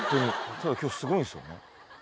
ただ今日すごいんですよね。